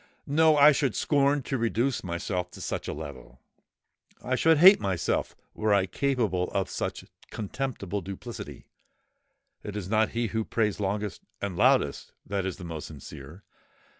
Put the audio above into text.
No!—I should scorn to reduce myself to such a level—I should hate myself were I capable of such contemptible duplicity. It is not he who prays longest and loudest, that is the most sincere.